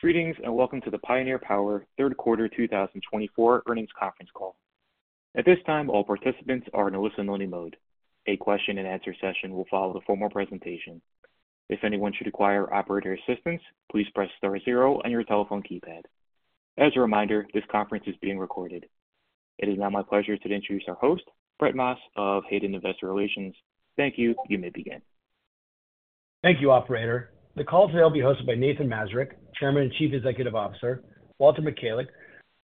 Greetings and welcome to the Pioneer Power Third Quarter 2024 earnings conference call. At this time, all participants are in a listen-only mode. A question-and-answer session will follow the formal presentation. If anyone should require operator assistance, please press star zero on your telephone keypad. As a reminder, this conference is being recorded. It is now my pleasure to introduce our host, Brett Maas of Hayden Investor Relations. Thank you. You may begin. Thank you, Operator. The call today will be hosted by Nathan Mazurek, Chairman and Chief Executive Officer, Walter Michalec,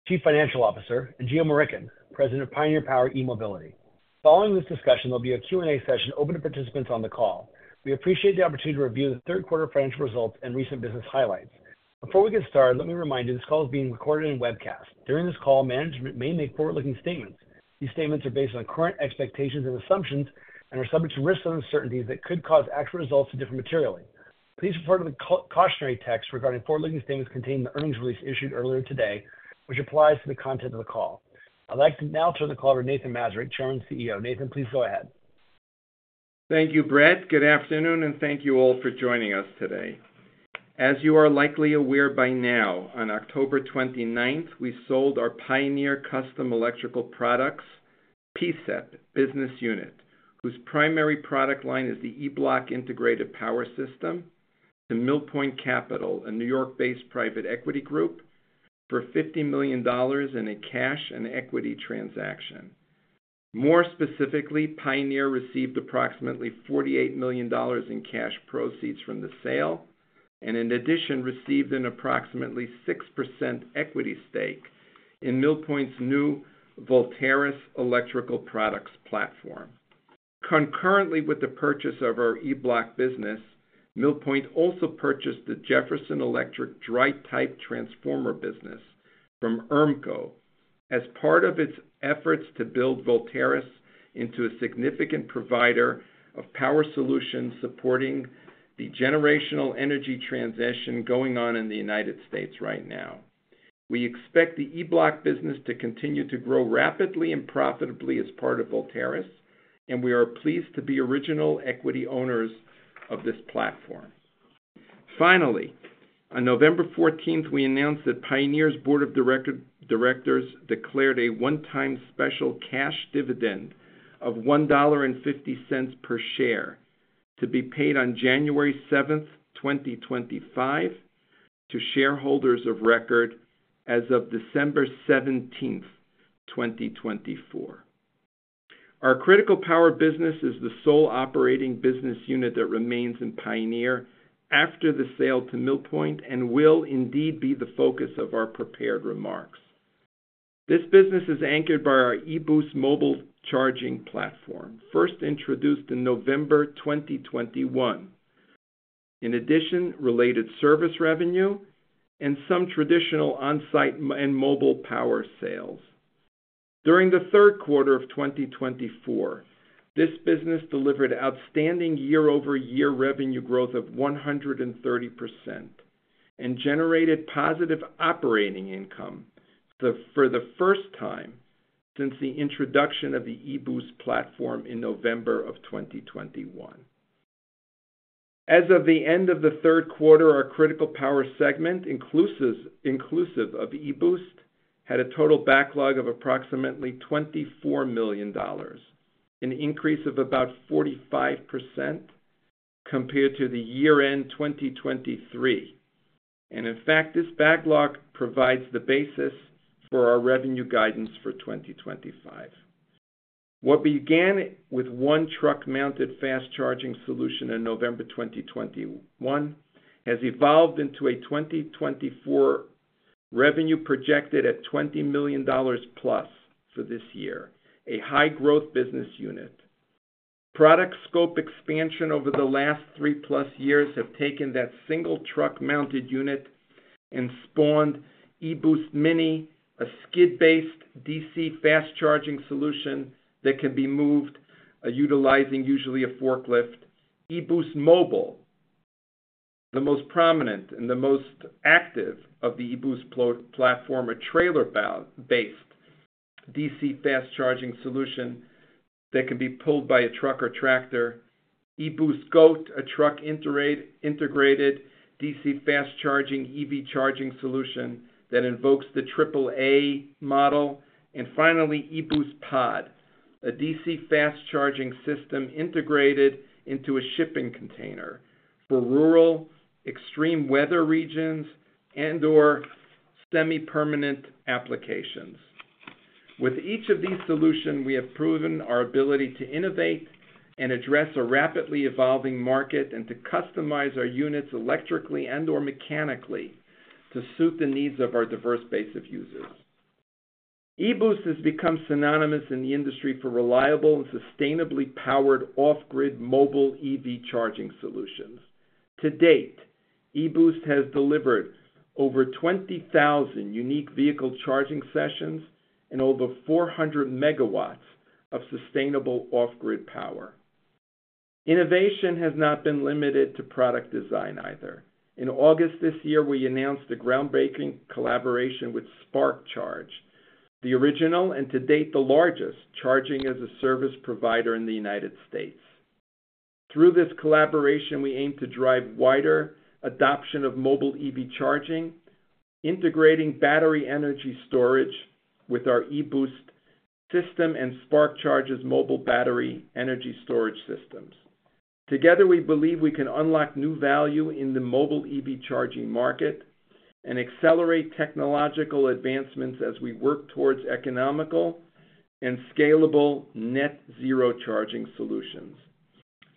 Chief Financial Officer, and Geo Murickan, President of Pioneer Power eMobility. Following this discussion, there will be a Q&A session open to participants on the call. We appreciate the opportunity to review the third quarter financial results and recent business highlights. Before we get started, let me remind you this call is being recorded and webcast. During this call, management may make forward-looking statements. These statements are based on current expectations and assumptions and are subject to risks and uncertainties that could cause actual results to differ materially. Please refer to the cautionary text regarding forward-looking statements contained in the earnings release issued earlier today, which applies to the content of the call. I'd like to now turn the call over to Nathan Mazurek, Chairman and CEO. Nathan, please go ahead. Thank you, Brett. Good afternoon, and thank you all for joining us today. As you are likely aware by now, on October 29th, we sold our Pioneer Custom Electrical Products PSEP business unit, whose primary product line is the E-Bloc Integrated Power System, to Mill Point Capital, a New York-based private equity group, for $50 million in a cash and equity transaction. More specifically, Pioneer received approximately $48 million in cash proceeds from the sale and, in addition, received an approximately 6% equity stake in Mill Point's new Voltaris electrical products platform. Concurrently with the purchase of our E-Bloc business, Mill Point also purchased the Jefferson Electric dry-type transformer business from ERMCO as part of its efforts to build Voltaris into a significant provider of power solutions supporting the generational energy transition going on in the United States right now. We expect the E-Bloc business to continue to grow rapidly and profitably as part of Voltaris, and we are pleased to be original equity owners of this platform. Finally, on November 14th, we announced that Pioneer's Board of Directors declared a one-time special cash dividend of $1.50 per share to be paid on January 7th, 2025, to shareholders of record as of December 17th, 2024. Our critical power business is the sole operating business unit that remains in Pioneer after the sale to Mill Point and will indeed be the focus of our prepared remarks. This business is anchored by our e-Boost mobile charging platform, first introduced in November 2021, in addition to related service revenue and some traditional on-site and mobile power sales. During the third quarter of 2024, this business delivered outstanding year-over-year revenue growth of 130% and generated positive operating income for the first time since the introduction of the e-Boost platform in November of 2021. As of the end of the third quarter, our critical power segment, inclusive of e-Boost, had a total backlog of approximately $24 million, an increase of about 45% compared to the year-end 2023. In fact, this backlog provides the basis for our revenue guidance for 2025. What began with one truck-mounted fast charging solution in November 2021 has evolved into a 2024 revenue projected at $20 million+ for this year, a high-growth business unit. Product scope expansion over the last three-plus years has taken that single truck-mounted unit and spawned e-Boost Mini, a skid-based DC fast charging solution that can be moved utilizing usually a forklift. e-Boost Mobile, the most prominent and the most active of the e-Boost platform, is a trailer-based DC fast charging solution that can be pulled by a truck or tractor. e-Boost G.O.A.T., a truck-integrated DC fast charging EV charging solution that invokes the AAA model. And finally, e-Boost Pod, a DC fast charging system integrated into a shipping container for rural, extreme weather regions, and/or semi-permanent applications. With each of these solutions, we have proven our ability to innovate and address a rapidly evolving market and to customize our units electrically and/or mechanically to suit the needs of our diverse base of users. e-Boost has become synonymous in the industry for reliable and sustainably powered off-grid mobile EV charging solutions. To date, e-Boost has delivered over 20,000 unique vehicle charging sessions and over 400 MW of sustainable off-grid power. Innovation has not been limited to product design either. In August this year, we announced a groundbreaking collaboration with SparkCharge, the original and to date the largest charging-as-a-service provider in the United States. Through this collaboration, we aim to drive wider adoption of mobile EV charging, integrating battery energy storage with our e-Boost system and SparkCharge's mobile battery energy storage systems. Together, we believe we can unlock new value in the mobile EV charging market and accelerate technological advancements as we work towards economical and scalable net-zero charging solutions.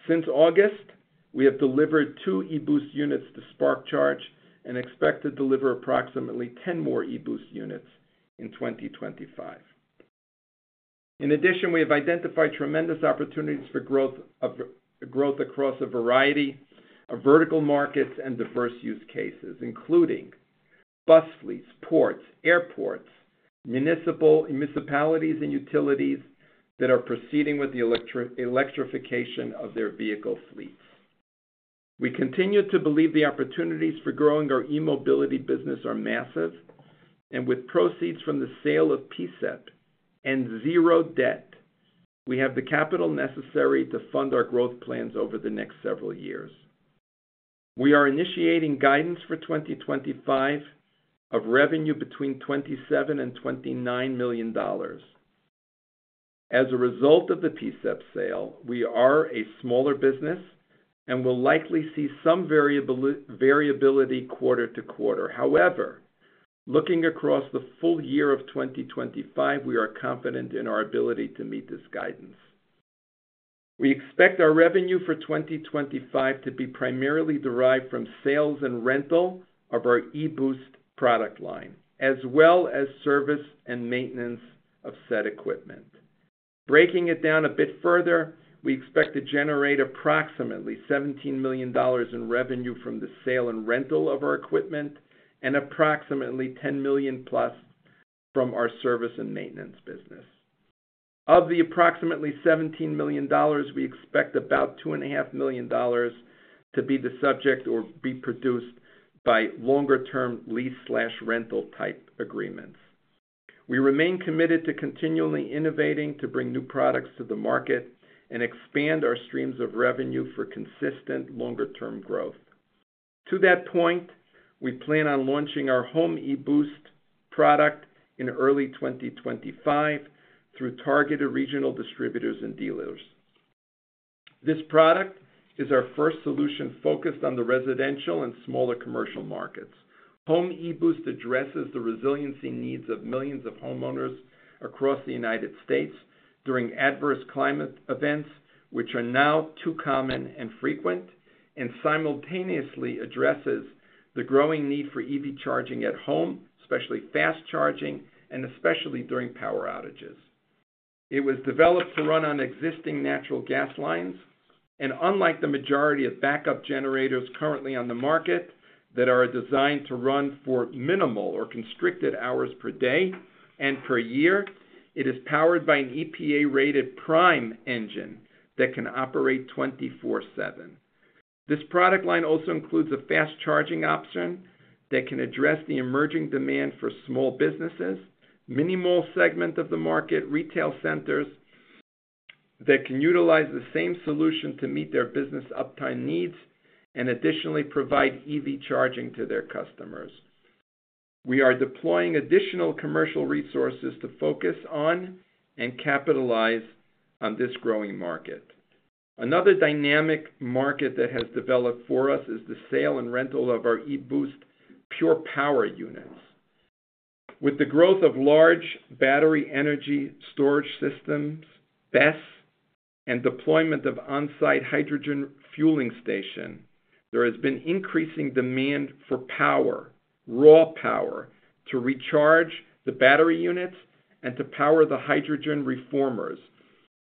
Since August, we have delivered two e-Boost units to SparkCharge and expect to deliver approximately 10 more e-Boost units in 2025. In addition, we have identified tremendous opportunities for growth across a variety of vertical markets and diverse use cases, including bus fleets, ports, airports, municipalities and utilities that are proceeding with the electrification of their vehicle fleets. We continue to believe the opportunities for growing our eMobility business are massive, and with proceeds from the sale of PSEP and zero debt, we have the capital necessary to fund our growth plans over the next several years. We are initiating guidance for 2025 of revenue between $27 million-$29 million. As a result of the PSEP sale, we are a smaller business and will likely see some variability quarter to quarter. However, looking across the full year of 2025, we are confident in our ability to meet this guidance. We expect our revenue for 2025 to be primarily derived from sales and rental of our e-Boost product line, as well as service and maintenance of said equipment. Breaking it down a bit further, we expect to generate approximately $17 million in revenue from the sale and rental of our equipment and approximately $10 million plus from our service and maintenance business. Of the approximately $17 million, we expect about $2.5 million to be the subject or be produced by longer-term lease/rental type agreements. We remain committed to continually innovating to bring new products to the market and expand our streams of revenue for consistent longer-term growth. To that point, we plan on launching our Home e-Boost product in early 2025 through targeted regional distributors and dealers. This product is our first solution focused on the residential and smaller commercial markets. Home e-Boost addresses the resiliency needs of millions of homeowners across the United States during adverse climate events, which are now too common and frequent, and simultaneously addresses the growing need for EV charging at home, especially fast charging, and especially during power outages. It was developed to run on existing natural gas lines, and unlike the majority of backup generators currently on the market that are designed to run for minimal or constricted hours per day and per year, it is powered by an EPA-rated prime engine that can operate 24/7. This product line also includes a fast charging option that can address the emerging demand for small businesses, mini-mall segment of the market, and retail centers that can utilize the same solution to meet their business uptime needs and additionally provide EV charging to their customers. We are deploying additional commercial resources to focus on and capitalize on this growing market. Another dynamic market that has developed for us is the sale and rental of our e-Boost Pure Power units. With the growth of large battery energy storage systems, BESS, and deployment of on-site hydrogen fueling stations, there has been increasing demand for power, raw power, to recharge the battery units and to power the hydrogen reformers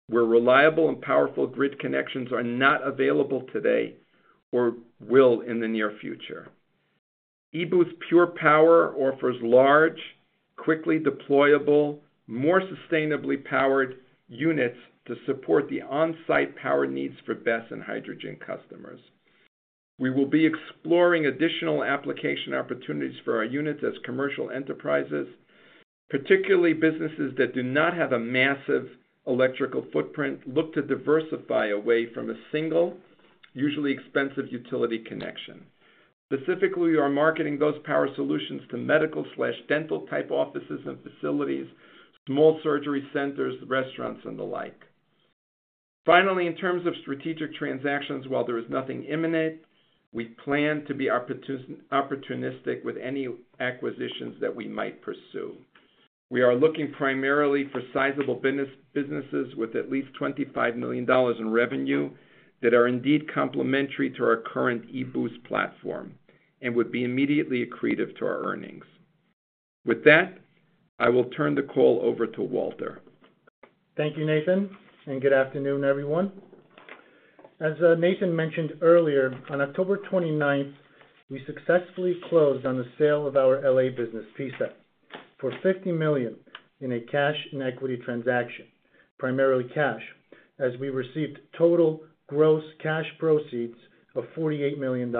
where reliable and powerful grid connections are not available today or will in the near future. e-Boost Pure Power offers large, quickly deployable, more sustainably powered units to support the on-site power needs for BESS and hydrogen customers. We will be exploring additional application opportunities for our units as commercial enterprises, particularly businesses that do not have a massive electrical footprint, look to diversify away from a single, usually expensive utility connection. Specifically, we are marketing those power solutions to medical/dental type offices and facilities, small surgery centers, restaurants, and the like. Finally, in terms of strategic transactions, while there is nothing imminent, we plan to be opportunistic with any acquisitions that we might pursue. We are looking primarily for sizable businesses with at least $25 million in revenue that are indeed complementary to our current e-Boost platform and would be immediately accretive to our earnings. With that, I will turn the call over to Walter. Thank you, Nathan, and good afternoon, everyone. As Nathan mentioned earlier, on October 29th, we successfully closed on the sale of our legacy business, PSEP, for $50 million in a cash and equity transaction, primarily cash, as we received total gross cash proceeds of $48 million,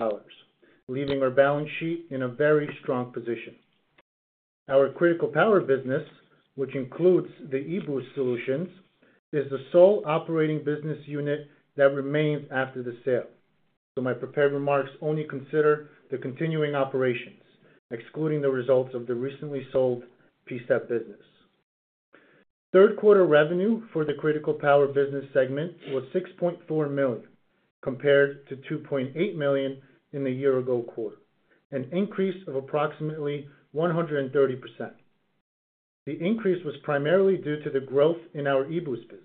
leaving our balance sheet in a very strong position. Our critical power business, which includes the e-Boost solutions, is the sole operating business unit that remained after the sale. So my prepared remarks only consider the continuing operations, excluding the results of the recently sold PSEP business. Third-quarter revenue for the critical power business segment was $6.4 million, compared to $2.8 million in the year-ago quarter, an increase of approximately 130%. The increase was primarily due to the growth in our e-Boost business.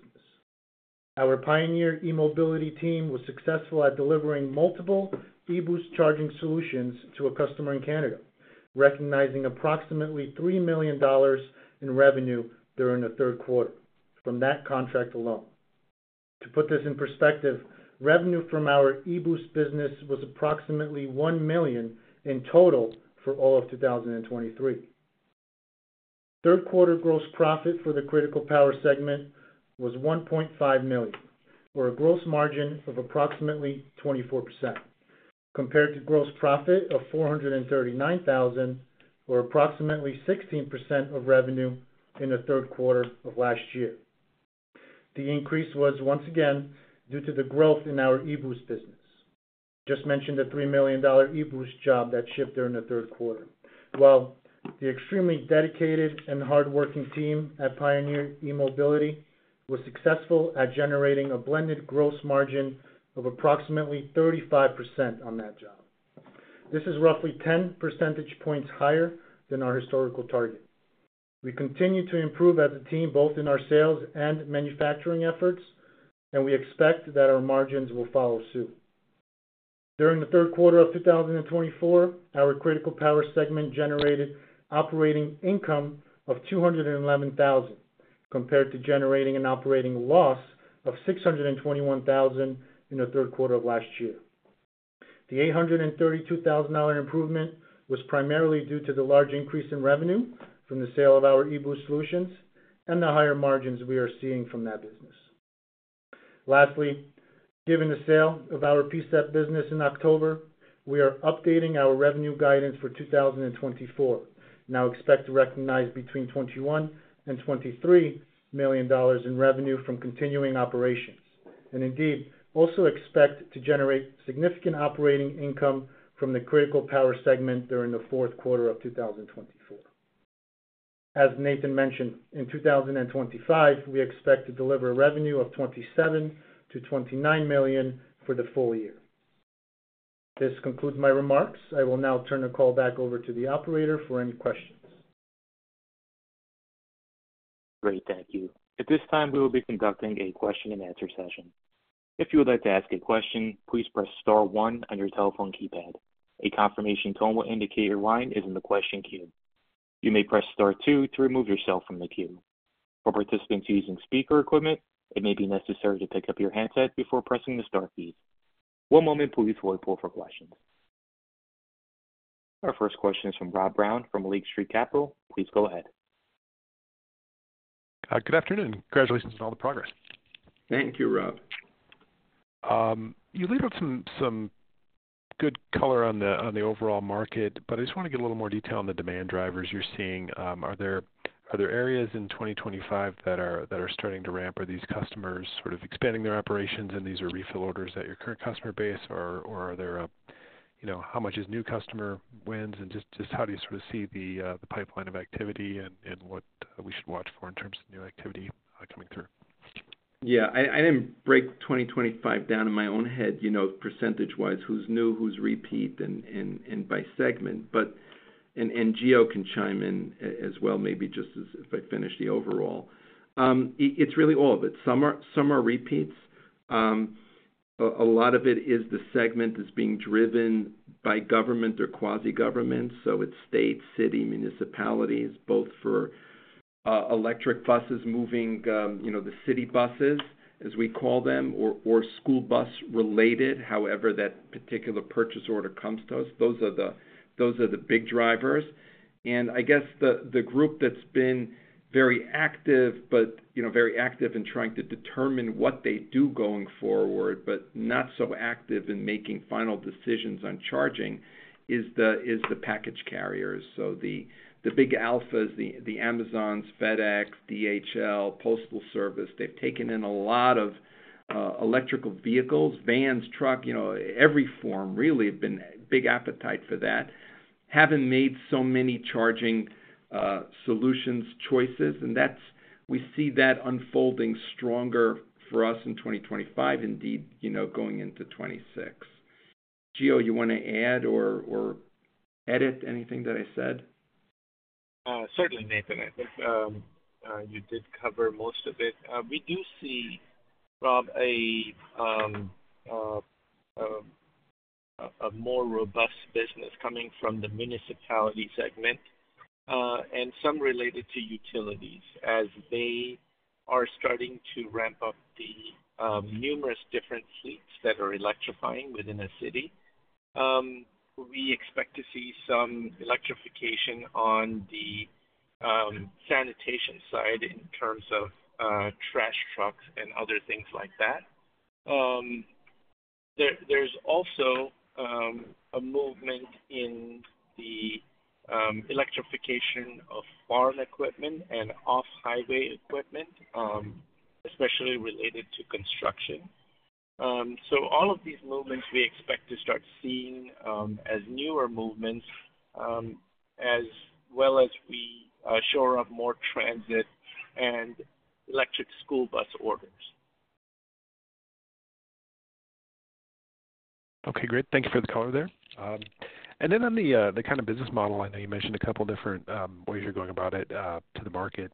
Our Pioneer eMobility team was successful at delivering multiple e-Boost charging solutions to a customer in Canada, recognizing approximately $3 million in revenue during the third quarter from that contract alone. To put this in perspective, revenue from our e-Boost business was approximately $1 million in total for all of 2023. Third-quarter gross profit for the critical power segment was $1.5 million, or a gross margin of approximately 24%, compared to gross profit of $439,000, or approximately 16% of revenue in the third quarter of last year. The increase was, once again, due to the growth in our e-Boost business. Just mentioned the $3 million e-Boost job that shipped during the third quarter. The extremely dedicated and hardworking team at Pioneer eMobility was successful at generating a blended gross margin of approximately 35% on that job. This is roughly 10 percentage points higher than our historical target. We continue to improve as a team, both in our sales and manufacturing efforts, and we expect that our margins will follow suit. During the third quarter of 2024, our critical power segment generated operating income of $211,000, compared to generating an operating loss of $621,000 in the third quarter of last year. The $832,000 improvement was primarily due to the large increase in revenue from the sale of our e-Boost solutions and the higher margins we are seeing from that business. Lastly, given the sale of our PSEP business in October, we are updating our revenue guidance for 2024. We now expect to recognize between $21 and $23 million in revenue from continuing operations, and indeed, also expect to generate significant operating income from the critical power segment during the fourth quarter of 2024. As Nathan mentioned, in 2025, we expect to deliver a revenue of $27 million-$29 million for the full year. This concludes my remarks. I will now turn the call back over to the operator for any questions. Great. Thank you. At this time, we will be conducting a question-and-answer session. If you would like to ask a question, please press Star one on your telephone keypad. A confirmation tone will indicate your line is in the question queue. You may press Star two to remove yourself from the queue. For participants using speaker equipment, it may be necessary to pick up your handset before pressing the Star keys. One moment, please, for a poll for questions. Our first question is from Rob Brown from Lake Street Capital Markets. Please go ahead. Good afternoon. Congratulations on all the progress. Thank you, Rob. You laid out some good color on the overall market, but I just want to get a little more detail on the demand drivers you're seeing. Are there areas in 2025 that are starting to ramp? Are these customers sort of expanding their operations and these are refill orders at your current customer base, or, how much is new customer wins? And just how do you sort of see the pipeline of activity and what we should watch for in terms of new activity coming through? Yeah. I didn't break 2025 down in my own head percentage-wise, who's new, who's repeat, and by segment, and Geo can chime in as well, maybe just as I finish the overall. It's really all of it. Some are repeats. A lot of it is, the segment is being driven by government or quasi-government. So it's state, city, municipalities, both for electric buses moving the city buses, as we call them, or school bus-related, however that particular purchase order comes to us. Those are the big drivers, and I guess the group that's been very active, but very active in trying to determine what they do going forward, but not so active in making final decisions on charging, is the package carriers. So the big alphas, the Amazons, FedEx, DHL, Postal Service, they've taken in a lot of electric vehicles, vans, trucks, every form, really, have been big appetite for that, haven't made so many charging solutions choices, and we see that unfolding stronger for us in 2025, indeed, going into 2026. Geo, you want to add or edit anything that I said? Certainly, Nathan. I think you did cover most of it. We do see a more robust business coming from the municipality segment and some related to utilities, as they are starting to ramp up the numerous different fleets that are electrifying within a city. We expect to see some electrification on the sanitation side in terms of trash trucks and other things like that. There's also a movement in the electrification of farm equipment and off-highway equipment, especially related to construction. So all of these movements we expect to start seeing as newer movements, as well as we show more transit and electric school bus orders. Okay. Great. Thank you for the color there. And then on the kind of business model, I know you mentioned a couple of different ways you're going about it to the market.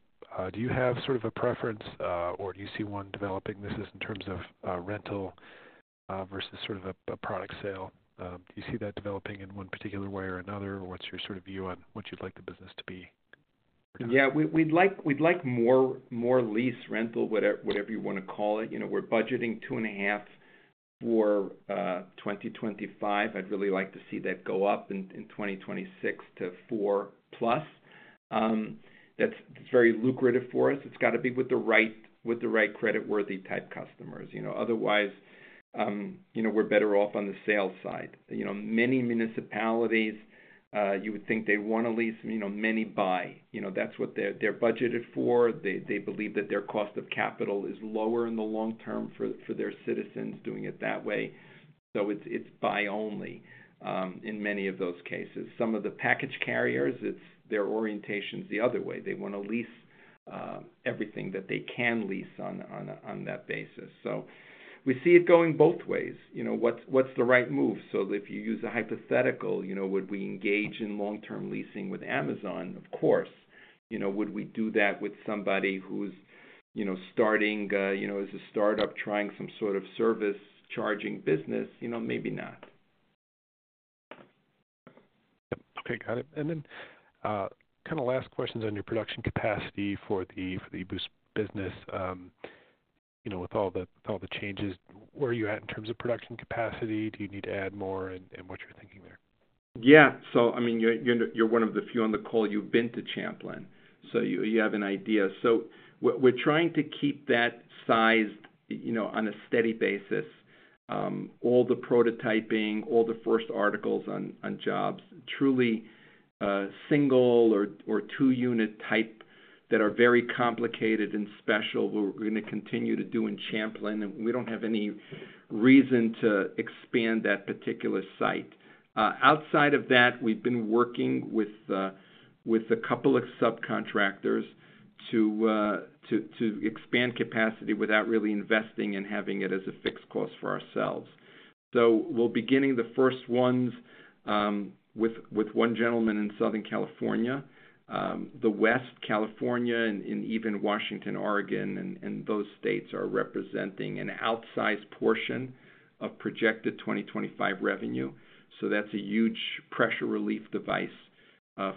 Do you have sort of a preference, or do you see one developing? This is in terms of rental versus sort of a product sale. Do you see that developing in one particular way or another? What's your sort of view on what you'd like the business to be? Yeah. We'd like more lease rental, whatever you want to call it. We're budgeting two and a half for 2025. I'd really like to see that go up in 2026 to four plus. That's very lucrative for us. It's got to be with the right credit-worthy type customers. Otherwise, we're better off on the sales side. Many municipalities, you would think they want to lease, many buy. That's what they're budgeted for. They believe that their cost of capital is lower in the long term for their citizens doing it that way. So it's buy-only in many of those cases. Some of the package carriers, their orientation is the other way. They want to lease everything that they can lease on that basis. So we see it going both ways. What's the right move? So if you use a hypothetical, would we engage in long-term leasing with Amazon? Of course. Would we do that with somebody who's starting as a startup, trying some sort of service charging business? Maybe not. Yep. Okay. Got it. And then kind of last questions on your production capacity for the e-Boost business. With all the changes, where are you at in terms of production capacity? Do you need to add more and what you're thinking there? Yeah. So I mean, you're one of the few on the call. You've been to Champlin, so you have an idea. So we're trying to keep that sized on a steady basis. All the prototyping, all the first articles on jobs, truly single or two-unit type that are very complicated and special, we're going to continue to do in Champlin. And we don't have any reason to expand that particular site. Outside of that, we've been working with a couple of subcontractors to expand capacity without really investing and having it as a fixed cost for ourselves. So we're beginning the first ones with one gentleman in Southern California. The West California and even Washington, Oregon, and those states are representing an outsized portion of projected 2025 revenue. So that's a huge pressure relief device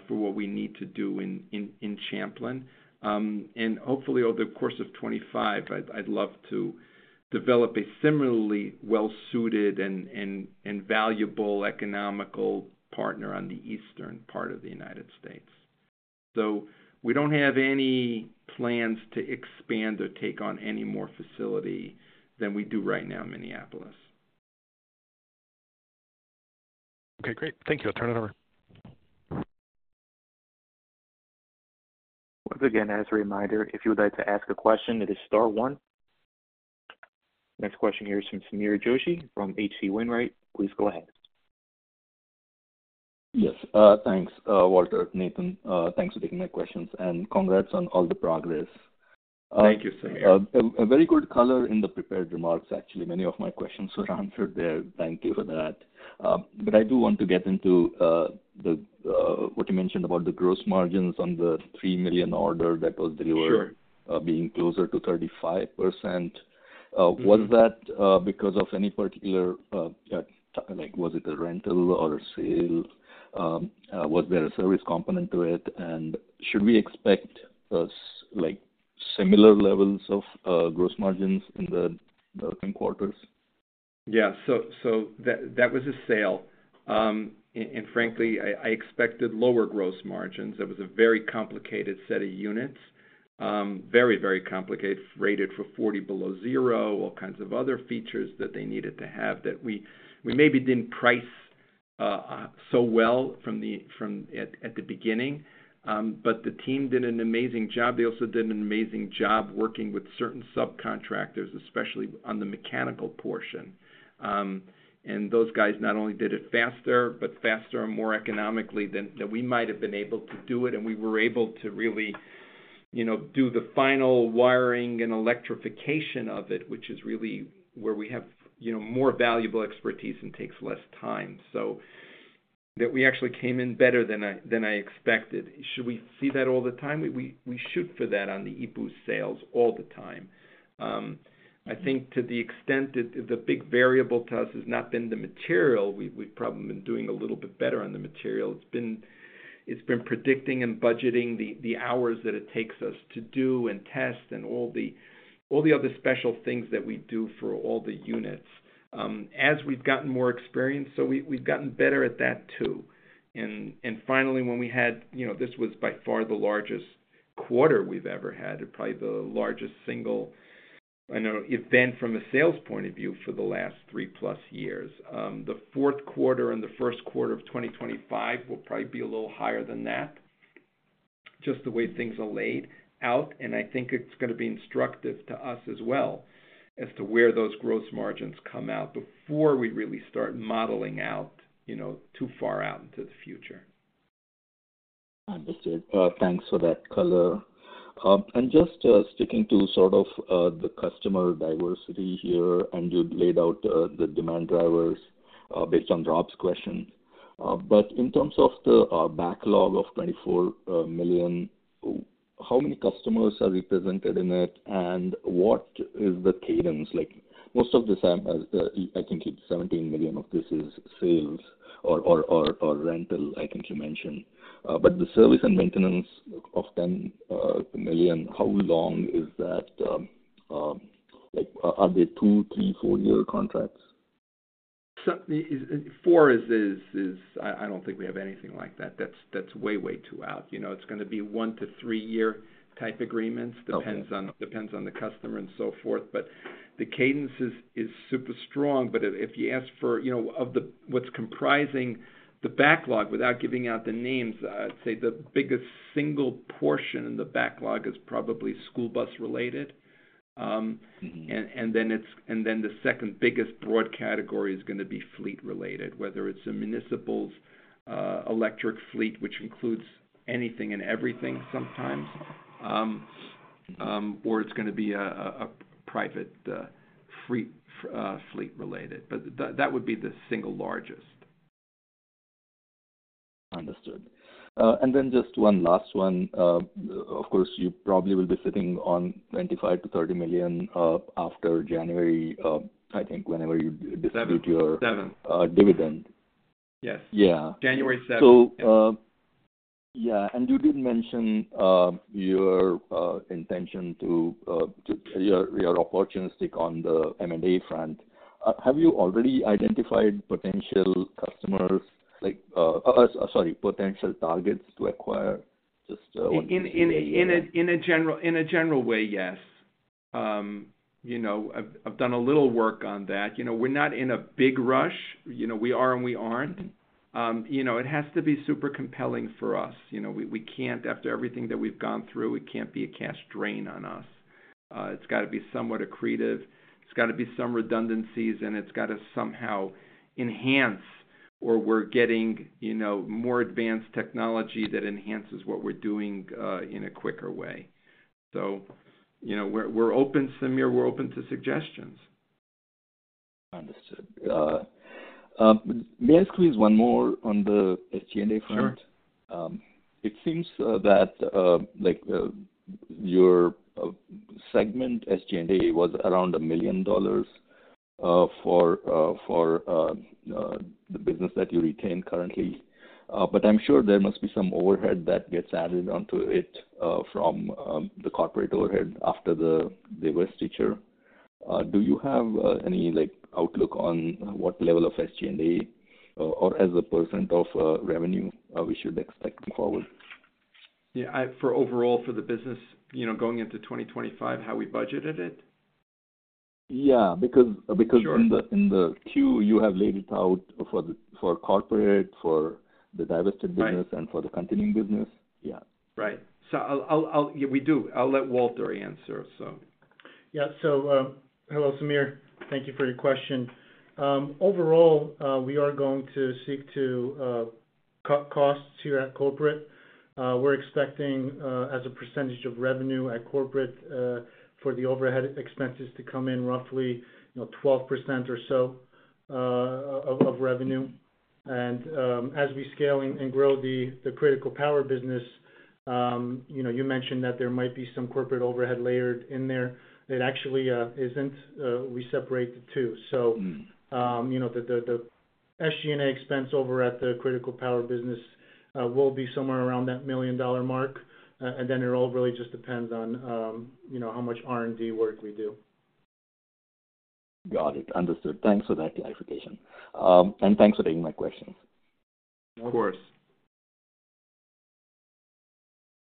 for what we need to do in Champlin. Hopefully, over the course of 2025, I'd love to develop a similarly well-suited and valuable economical partner on the eastern part of the United States. We don't have any plans to expand or take on any more facility than we do right now in Minneapolis. Okay. Great. Thank you. I'll turn it over. Once again, as a reminder, if you would like to ask a question, it is Star one. Next question here is from Sameer Joshi from H.C. Wainwright. Please go ahead. Yes. Thanks, Walter, Nathan. Thanks for taking my questions. And congrats on all the progress. Thank you, Sameer. A very good color in the prepared remarks, actually. Many of my questions were answered there. Thank you for that. But I do want to get into what you mentioned about the gross margins on the $3 million order that was delivered, being closer to 35%. Was that because of any particular, was it a rental or a sale? Was there a service component to it? And should we expect similar levels of gross margins in the quarters? Yeah. So that was a sale. And frankly, I expected lower gross margins. It was a very complicated set of units, very, very complicated, rated for 40 degrees below zero, all kinds of other features that they needed to have that we maybe didn't price so well at the beginning. But the team did an amazing job. They also did an amazing job working with certain subcontractors, especially on the mechanical portion. And those guys not only did it faster, but faster and more economically than we might have been able to do it. And we were able to really do the final wiring and electrification of it, which is really where we have more valuable expertise and takes less time. So that we actually came in better than I expected. Should we see that all the time? We shoot for that on the e-Boost sales all the time. I think to the extent that the big variable to us has not been the material, we've probably been doing a little bit better on the material. It's been predicting and budgeting the hours that it takes us to do and test and all the other special things that we do for all the units. As we've gotten more experience, so we've gotten better at that too. And finally, when we had this was by far the largest quarter we've ever had, probably the largest single event from a sales point of view for the last three-plus years. The fourth quarter and the first quarter of 2025 will probably be a little higher than that, just the way things are laid out. I think it's going to be instructive to us as well as to where those gross margins come out before we really start modeling out too far out into the future. Understood. Thanks for that color. And just sticking to sort of the customer diversity here, and you laid out the demand drivers based on Rob's question. But in terms of the backlog of $24 million, how many customers are represented in it? And what is the cadence? Most of this, I think it's $17 million of this is sales or rental, I think you mentioned. But the service and maintenance of $10 million, how long is that? Are they two, three, four-year contracts? Four is I don't think we have anything like that. That's way, way too out. It's going to be one to three-year type agreements. Depends on the customer and so forth. But the cadence is super strong. But if you ask for what's comprising the backlog without giving out the names, I'd say the biggest single portion in the backlog is probably school bus-related. And then the second biggest broad category is going to be fleet-related, whether it's a municipal electric fleet, which includes anything and everything sometimes, or it's going to be a private fleet-related. But that would be the single largest. Understood. And then just one last one. Of course, you probably will be sitting on $25-$30 million after January, I think, whenever you distribute your. 7th. Dividend. Yes. January 7th. Yeah. And you did mention your intention to be opportunistic on the M&A front. Have you already identified potential customers, sorry, potential targets to acquire? Just one. In a general way, yes. I've done a little work on that. We're not in a big rush. We are and we aren't. It has to be super compelling for us. After everything that we've gone through, it can't be a cash drain on us. It's got to be somewhat accretive. It's got to be some redundancies, and it's got to somehow enhance, or we're getting more advanced technology that enhances what we're doing in a quicker way. So we're open, Sameer. We're open to suggestions. Understood. May I ask you one more on the SG&A front? Sure. It seems that your segment SG&A was around $1,000,000 for the business that you retain currently. But I'm sure there must be some overhead that gets added onto it from the corporate overhead after the divestiture. Do you have any outlook on what level of SG&A or as a % of revenue we should expect going forward? Yeah. For overall, for the business going into 2025, how we budgeted it? Yeah. Because in the queue, you have laid it out for corporate, for the divested business, and for the continuing business. Yeah. Right, so we do. I'll let Walter answer, so. Yeah, so hello, Sameer. Thank you for your question. Overall, we are going to seek to cut costs here at corporate. We're expecting, as a percentage of revenue at corporate, for the overhead expenses to come in roughly 12% or so of revenue. As we scale and grow the critical power business, you mentioned that there might be some corporate overhead layered in there. It actually isn't. We separate the two. So the SG&A expense over at the critical power business will be somewhere around that million-dollar mark. And then it all really just depends on how much R&D work we do. Got it. Understood. Thanks for that clarification, and thanks for taking my questions. Of course.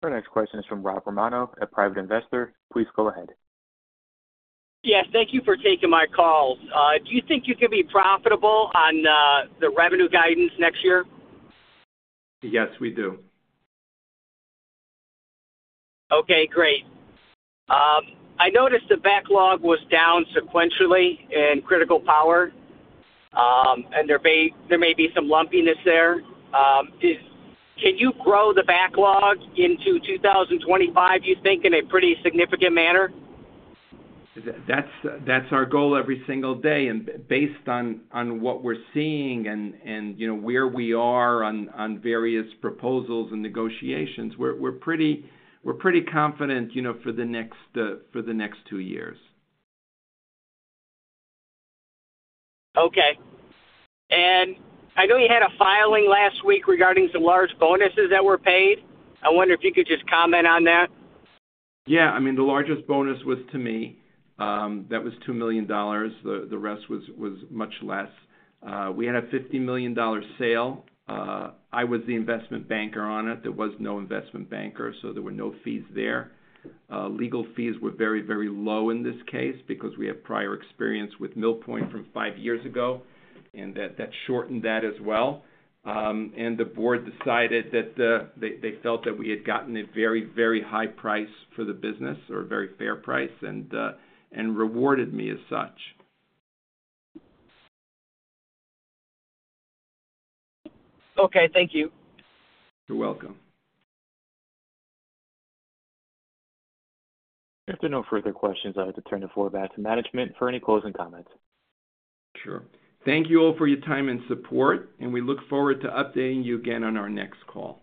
Our next question is from Rob Romano at Private Investor. Please go ahead. Yes. Thank you for taking my call. Do you think you can be profitable on the revenue guidance next year? Yes, we do. Okay. Great. I noticed the backlog was down sequentially in critical power, and there may be some lumpiness there. Can you grow the backlog into 2025, you think, in a pretty significant manner? That's our goal every single day. And based on what we're seeing and where we are on various proposals and negotiations, we're pretty confident for the next two years. Okay. And I know you had a filing last week regarding some large bonuses that were paid. I wonder if you could just comment on that. Yeah. I mean, the largest bonus was to me. That was $2 million. The rest was much less. We had a $50 million sale. I was the investment banker on it. There was no investment banker, so there were no fees there. Legal fees were very, very low in this case because we have prior experience with Mill Point from five years ago, and that shortened that as well. And the board decided that they felt that we had gotten a very, very high price for the business or a very fair price and rewarded me as such. Okay. Thank you. You're welcome. If there are no further questions, I'd like to turn the floor back to management for any closing comments. Sure. Thank you all for your time and support, and we look forward to updating you again on our next call.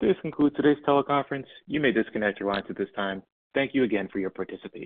This concludes today's teleconference. You may disconnect your lines at this time. Thank you again for your participation.